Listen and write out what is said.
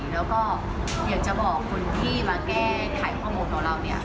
แล้วอยากจะบอกคนที่มาแก้ไขขัมพรหมต์เราเนี่ย